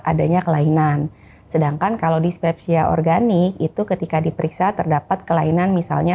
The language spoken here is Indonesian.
adanya kelainan sedangkan kalau dispepsia organik itu ketika diperiksa terdapat kelainan misalnya